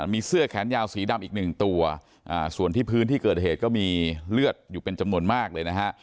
มีเสื้อแขนยาวสีดำอีกหนึ่งตัวส่วนที่พื้นที่เกิดเหตุก็มีเลือดอยู่เป็นจำนวนมากเลยนะฮะ